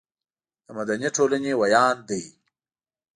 د مدني ټولنې ویاند دی.